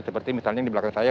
seperti misalnya di belakang saya